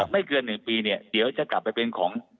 ไม่เกือบ๑ปีเดี๋ยวจะกลับไปเป็นของ